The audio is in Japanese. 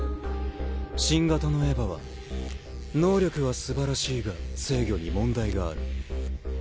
新型のエヴァは能力は素晴らしいが制御に問題がある。